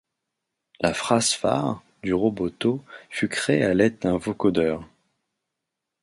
La phrase-phare du Roboto fut créée à l'aide d'un vocoder.